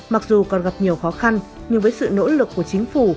mặc dù còn gặp nhiều khó khăn nhưng với sự nỗ lực của chính phủ